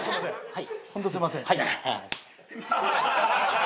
はい。